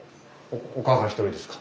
おかあさん一人ですか？